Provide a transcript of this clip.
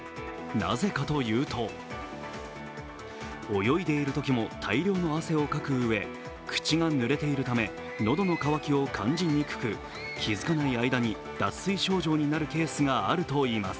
なぜかというと、泳いでいるときも大量の汗をかくうえ、口がぬれているため喉の渇きを感じにくく気付かない間に脱水症状になるケースがあるといいます。